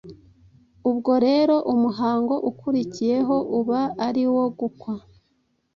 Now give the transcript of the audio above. Ubwo rero umuhango ukurikiyeho uba ari uwo gukwa.